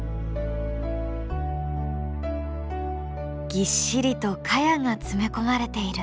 ぎっしりと茅が詰め込まれている。